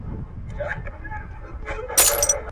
د کفر پر خبرو پدې نيت خندل، چي هغه جاهل دی کفر نه دی